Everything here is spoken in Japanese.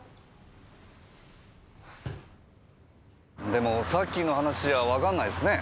でもさっきの話じゃわかんないっすね。